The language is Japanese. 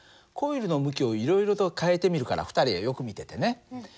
コイルの向きをいろいろと変えてみるから２人はよく見ててね。